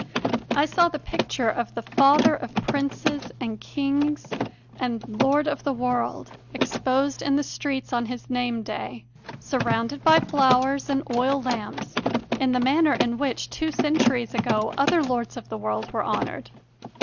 I saw the picture of the "Father of princes and kings and Lord of the world" exposed in the streets on his name day, surrounded by flowers and oil lamps, in the manner in which, two centuries ago, other lords of the world were honoured.